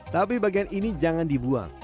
tapi bagian ini jangan dibuang